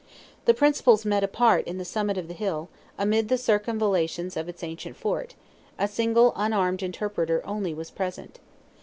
The principals met apart on the summit of the hill, amid the circumvallations of its ancient fort; a single unarmed interpreter only was present.